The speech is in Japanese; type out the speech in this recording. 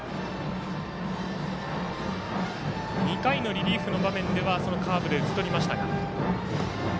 ２回のリリーフの場面ではカーブで打ち取りましたが。